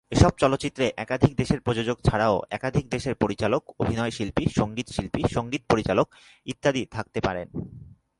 এসব চলচ্চিত্রে একাধিক দেশের প্রযোজক ছাড়াও একাধিক দেশের পরিচালক, অভিনয়শিল্পী, সঙ্গীতশিল্পী, সঙ্গীত পরিচালক ইত্যাদি থাকতে পারেন।